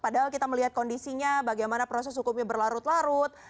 padahal kita melihat kondisinya bagaimana proses hukumnya berlarut larut